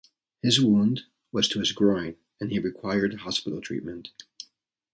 His wound was to his groin and he required hospital treatment.